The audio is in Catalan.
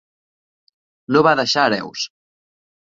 No va deixar hereus.